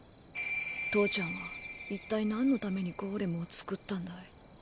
父ちゃんはいったい何のためにゴーレムを作ったんだい？